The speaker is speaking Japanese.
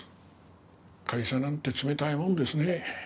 会社なんて冷たいもんですね。